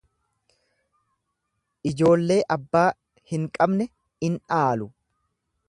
Ijoollee abbaa hin qabne in dhaalu.